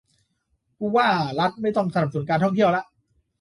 กูว่ารัฐไม่ต้องสนับสนุนการท่องเที่ยวละ